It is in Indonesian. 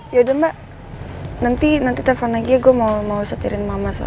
yaudah mbak nanti nanti telfon lagi ya gue mau setirin mama sama papa dulu